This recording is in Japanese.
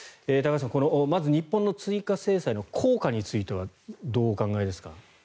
高橋さん、まず日本の追加制裁の効果についてはどうお考えですか？